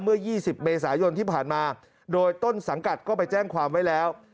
เมื่อ๒๐เมษายนที่ผ่านมาโดยต้นสังกัดก็ไปแจ้งความไว้แล้ว